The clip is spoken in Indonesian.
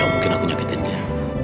mungkin aku nyakitin dia